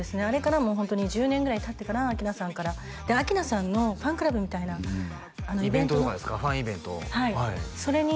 あれからもうホントに１０年ぐらいたってから明菜さんからで明菜さんのファンクラブみたいなイベントのイベントとかですか？